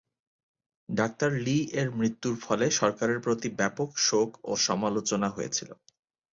Doctor Li এর মৃত্যুর ফলে সরকারের প্রতি ব্যাপক শোক ও সমালোচনা হয়েছিল।